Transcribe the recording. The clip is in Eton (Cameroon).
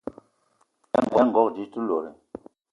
Aya ngogo dze te lot?